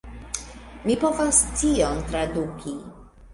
Mi povas tion traduki